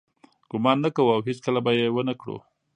ګمان نه کوو او هیڅکله به یې ونه کړو.